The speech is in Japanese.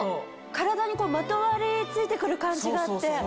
体にまとわり付いて来る感じがあって。